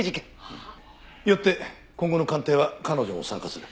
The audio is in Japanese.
よって今後の鑑定は彼女も参加する。